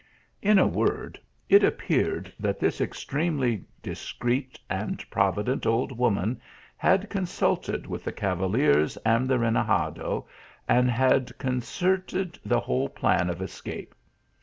In a word, it appeared that this extremely dis creet and provident old woman had consulted with the cavaliers and the renegade,, and had concerted the. whole plan of escape.